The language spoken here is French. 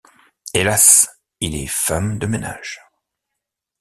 Hélas, il est femme de ménage...